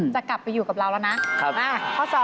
จะกลับไปอยู่กับเราแล้วนะ